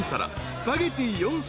スパゲティ４皿］